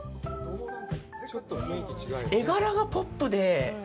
絵柄がポップで。